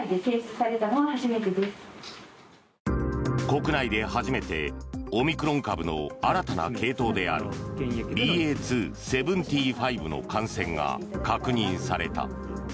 国内で初めてオミクロン株の新たな系統であるＢＡ．２．７５の感染が確認された。